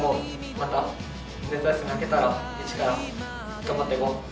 また夏休み明けたら１から頑張っていこう。